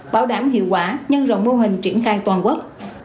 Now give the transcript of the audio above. bảo đảm hiệu quả nhân rộng mô hình triển khai toàn quốc